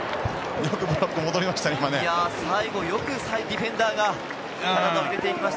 よく最後、ディフェンダーが体を入れていきました。